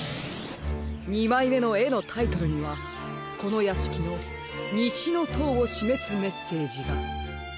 ２まいめのえのタイトルにはこのやしきの「にしのとう」をしめすメッセージが。